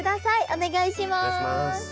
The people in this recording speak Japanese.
お願いします。